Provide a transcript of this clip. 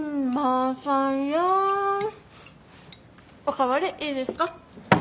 お代わりいいですか？